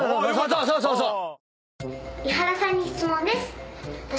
そうそうそうそう！